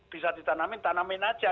bisa ditanamin tanamin aja